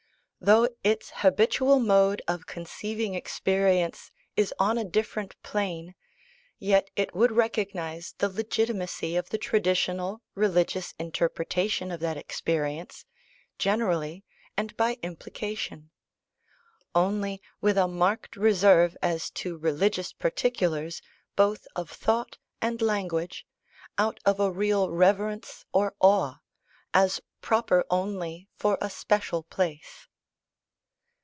Though its habitual mode of conceiving experience is on a different plane, yet it would recognise the legitimacy of the traditional religious interpretation of that experience, generally and by implication; only, with a marked reserve as to religious particulars, both of thought and language, out of a real reverence or awe, as proper only for a special place.